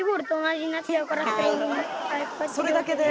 それだけで？